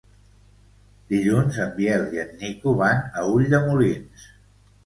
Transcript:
Dilluns en Biel i en Nico van a Ulldemolins.